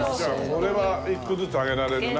これは１個ずつあげられるな。